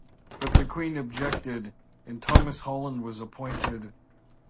But the Queen objected, and Thomas Holland was appointed.